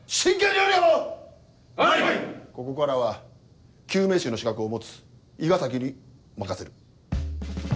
ここからは救命士の資格を持つ伊賀崎に任せる。